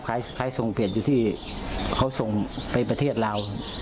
ครับขายส่งเป็ดอยู่ที่เค้าส่งไปประเทศเรา